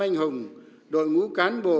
anh hùng đội ngũ cán bộ